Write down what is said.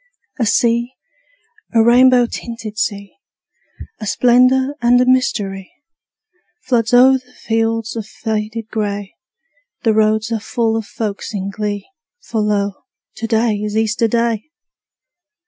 A sea, a rainbow tinted sea, A splendor and a mystery, Floods o'er the fields of faded gray: The roads are full of folks in glee, For lo, to day is Easter Day!